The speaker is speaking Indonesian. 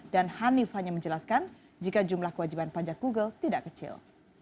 dan hanif hanya menjelaskan jika jumlah kewajiban pajak google tidak kecil